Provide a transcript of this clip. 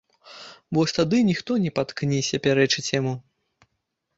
Вось тады ніхто не паткніся пярэчыць яму.